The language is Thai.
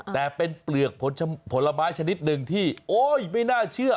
แต่เป็นเปลือกผลไม้ชนิดหนึ่งที่โอ๊ยไม่น่าเชื่อ